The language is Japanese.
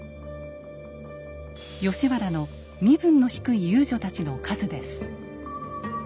吉原の身分の低い遊女たちの数です。